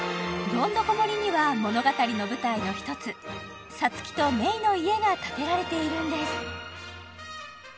どんどこ森には物語の舞台の一つサツキとメイの家が建てられているんです